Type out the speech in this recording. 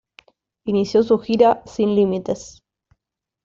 Inició su gira "Sin límites".